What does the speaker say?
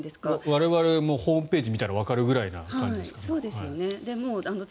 我々もホームページ見たらわかるぐらいの感じですから。